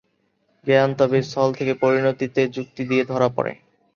জ্ঞান তবে স্থল থেকে পরিণতিতে যুক্তি দিয়ে ধরা পড়ে।